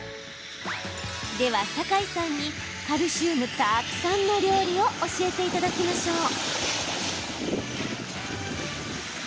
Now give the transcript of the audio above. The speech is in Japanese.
では、サカイさんにカルシウムたくさんの料理を教えていただきましょう。